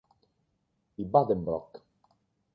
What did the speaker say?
I Buddenbrook.